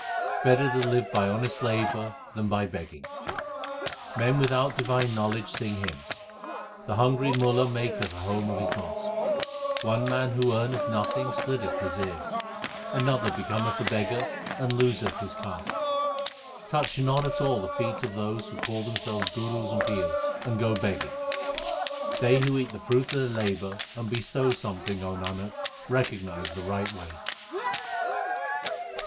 Better to live by honest labour than by beg ging : Men without divine knowledge sing hymns. The hungry Mulla maketh a home of his mosque. 1 One man who earneth nothing slitteth his ears ; 2 Another becometh a beggar and loseth his caste. Touch not at all the feet of those Who call themselves gurus and pirs, and go begging. They who eat the fruit of their labour and bestow some thing, Nanak, recognize the right way.